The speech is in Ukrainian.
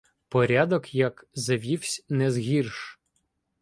Порядок як завівсь незгірш: